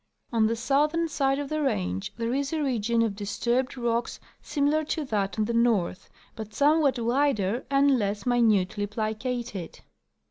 141 On the southern side of the range there is a region of disturbed rocks similar to that on the north, but somewhat wider and less minutely i^licated.